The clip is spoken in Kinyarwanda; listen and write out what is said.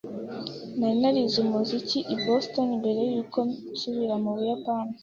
Nari narize umuziki i Boston mbere yuko nsubira mu Buyapani.